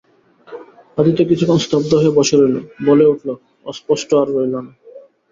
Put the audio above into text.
আদিত্য কিছুক্ষণ স্তব্ধ হয়ে বসে রইল, বলে উঠল, অস্পষ্ট আর রইল না।